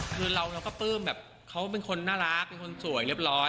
คือเราก็ปลื้มแบบเขาเป็นคนน่ารักเป็นคนสวยเรียบร้อย